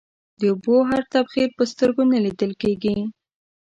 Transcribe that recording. د اوبو هر تبخير په سترگو نه ليدل کېږي.